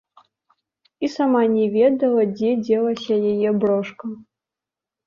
І сама не ведала, дзе дзелася яе брошка.